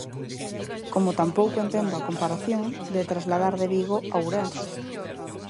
Como tampouco entendo a comparación de trasladar de Vigo a Ourense.